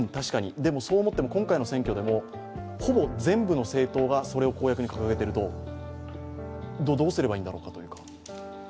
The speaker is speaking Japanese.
でも、そう思っても今回の選挙でもほぼ全部の政党がそれを公約に掲げていると、どうすればいいんだろうかというか。